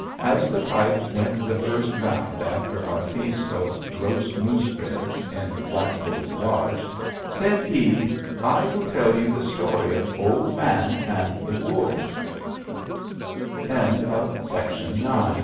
As the pipe went the first round after our feast of roast moose ribs in Black Bull's lodge, said he: "I will tell you the story of "OLD MAN AND THE WOLVES "One day in that long ago time, Old Man wa